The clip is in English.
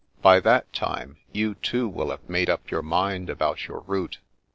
By that time, you too will have made up your mind about your route.